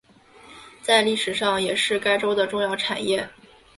在历史上也是该州的重要产业。